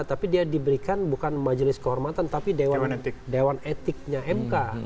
tapi dia diberikan bukan majelis kehormatan tapi dewan etiknya mk